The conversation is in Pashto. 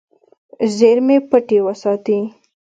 زیرمې پټې وساتې.